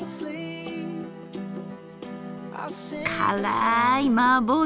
辛いマーボー